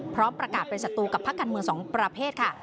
พร้อมประกาศเป็นศัตรูกับพักการเมือง๒ประเภทค่ะ